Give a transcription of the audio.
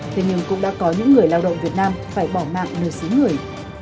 thế nhưng cũng đã có những người lao động việt nam phải bỏ mạng nơi xứ người